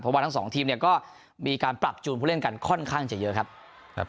เพราะว่าทั้งสองทีมเนี่ยก็มีการปรับจูนผู้เล่นกันค่อนข้างจะเยอะครับ